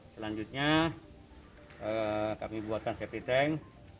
selanjutnya kami buatkan safety tank